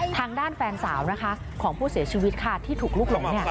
ทางด้านแฟนสาวนะคะของผู้เสียชีวิตค่ะที่ถูกลุกหลง